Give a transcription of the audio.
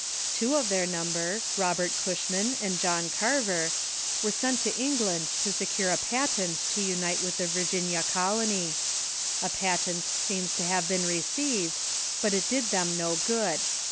Two of their number — Robert Cushman and John Carver — were sent to England to secure a patent to unite with the Virginia Colony. A patent seems to have been received, but it did them no good.